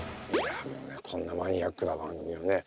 こんなマニアックな番組をね